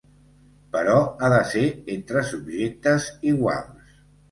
Però ha de ser entre subjectes iguals.